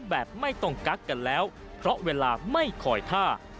แบบไม่ต้องกักกันแล้วเพราะเวลาไม่คอยท่า